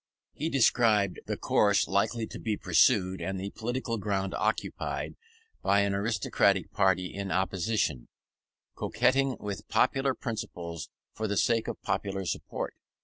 He described the course likely to be pursued, and the political ground occupied, by an aristocratic party in opposition, coquetting with popular principles for the sake of popular support.